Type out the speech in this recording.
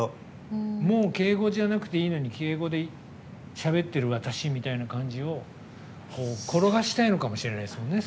もう敬語じゃなくていいのに敬語でしゃべってる私みたいな感じを転がしたいのかもしれないですもんね。